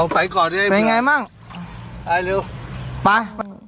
ไปไงมั่งไป